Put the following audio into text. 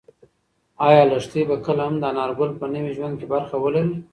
ایا لښتې به کله هم د انارګل په نوي ژوند کې برخه ولري؟